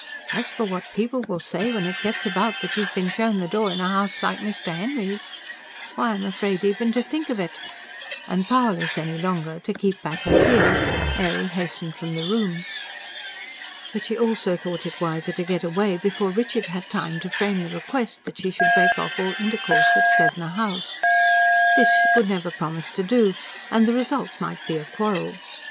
As for what people will say when it gets about that you've been shown the door in a house like Mr. Henry's why, I'm afraid even to think of it!" and powerless any longer to keep back her tears, Mary hastened from the room. But she also thought it wiser to get away before Richard had time to frame the request that she should break off all intercourse with Plevna House. This, she could never promise to do; and the result might be a quarrel.